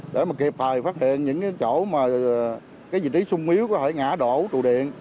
để mà kịp thời phát hiện những chỗ mà vị trí sung miếu có thể ngã đổ tù điện